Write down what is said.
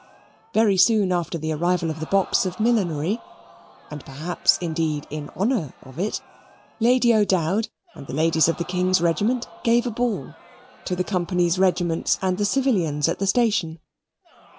Very soon after the arrival of the box of millinery, and perhaps indeed in honour of it, Lady O'Dowd and the ladies of the King's Regiment gave a ball to the Company's Regiments and the civilians at the station.